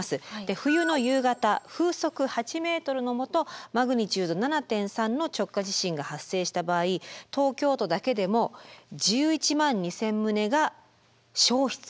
冬の夕方風速８ｍのもとマグニチュード７．３の直下地震が発生した場合東京都だけでも１１万２，０００棟が焼失すると想定されています。